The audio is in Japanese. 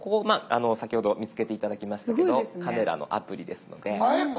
先ほど見つけて頂きましたけどカメラのアプリですので。